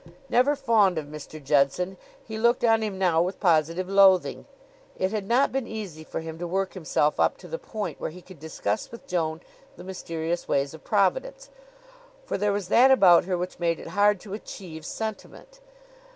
Never fond of Mr. Judson, he looked on him now with positive loathing. It had not been easy for him to work himself up to the point where he could discuss with Joan the mysterious ways of Providence, for there was that about her which made it hard to achieve sentiment.